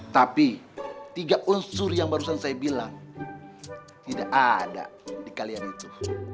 tapi tiga unsur yang barusan saya bilang tidak ada di kalian itu